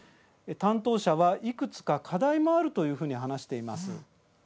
担当者は、いくつか課題もあるというふうに話しています。